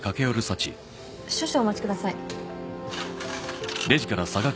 少々お待ちください